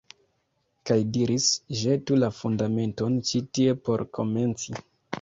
Kaj diris «Ĵetu la Fundamenton ĉi tie por komenci».